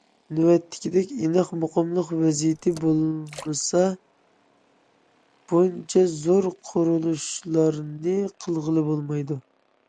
نۆۋەتتىكىدەك ئىناق، مۇقىملىق ۋەزىيىتى بولمىسا بۇنچە زور قۇرۇلۇشلارنى قىلغىلى بولمايدۇ.